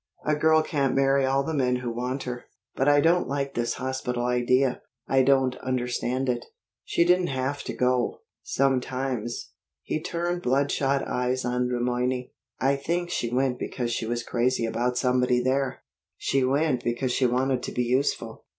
"A girl can't marry all the men who want her. But I don't like this hospital idea. I don't understand it. She didn't have to go. Sometimes" he turned bloodshot eyes on Le Moyne "I think she went because she was crazy about somebody there." "She went because she wanted to be useful."